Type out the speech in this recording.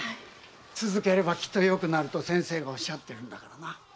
続ければきっとよくなると先生がおっしゃってるからな。